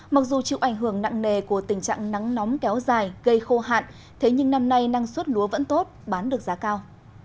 mặc dù chịu ảnh hưởng nặng nề của tình trạng nắng nóng kéo dài gây khô hạn thế nhưng năm nay năng suất lúa vẫn tốt bán được giá cao